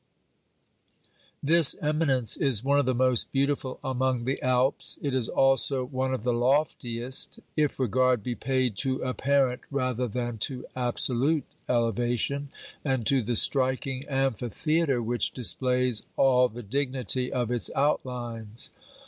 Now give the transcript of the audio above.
This eminence is one of the most beautiful among the Alps ; it is also one of the loftiest, if regard be paid to ai)parent rather than to absolute elevation, and to the striking amphitheatre which 30 OBERMANN displays all the dignity of its outlines.